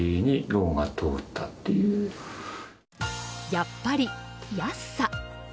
やっぱり、安さ。